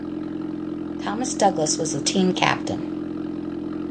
Thomas Douglas was the team captain.